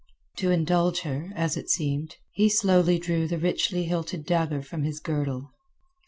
To indulge her, as it seemed, he slowly drew the richly hilted dagger from his girdle.